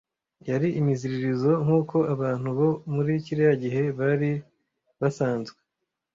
Yari imiziririzo, nkuko abantu bo muri kiriya gihe bari basanzwe.